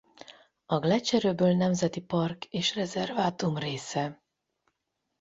A Gleccser-öböl Nemzeti Park és Rezervátum része.